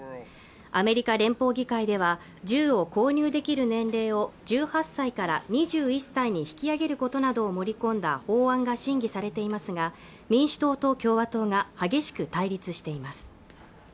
アメリカ連邦議会では銃を購入できる年齢を１８歳から２１歳に引き上げることなどを盛り込んだ法案が審議されていますが民主党と共和党が激しく対立しています